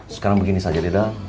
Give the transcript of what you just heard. sekarang begini saja deda